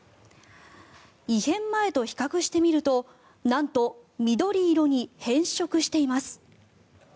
異変前と比較してみるとなんと緑色に変色しています。